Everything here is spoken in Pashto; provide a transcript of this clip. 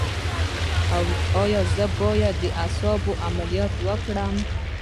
ایا زه باید د اعصابو عملیات وکړم؟